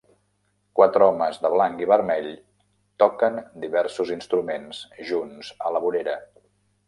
Quatre homes de blanc i vermell toquen diversos instruments junts a la vorera.